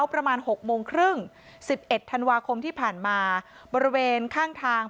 ประมาณ๖โมงครึ่ง๑๑ธันวาคมที่ผ่านมาบริเวณข้างทาง